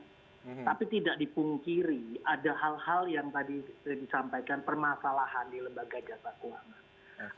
tapi tidak dipungkiri ada hal hal yang tadi sudah disampaikan permasalahan di lembaga jasa keuangan